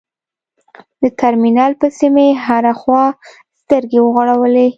د ترمینل پسې مې هره خوا سترګې وغړولې.